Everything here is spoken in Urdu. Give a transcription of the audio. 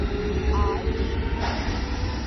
آج